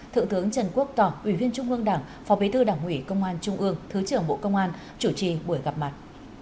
thượng thướng trần quốc tỏ ủy viên trung ương đảng phó bế tư đảng ủy công an trung ương thứ trưởng bộ công an chủ trì buổi gặp mặt